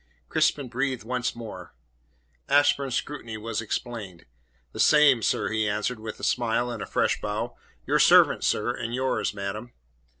Crispin breathed once more. Ashburn's scrutiny was explained. "The same, sir," he answered, with a smile and a fresh bow. "Your servant, sir; and yours, madam."